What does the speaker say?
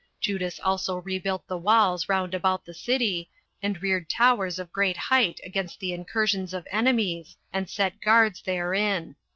Judas also rebuilt the walls round about the city, and reared towers of great height against the incursions of enemies, and set guards therein.